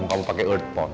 kamu pake earphone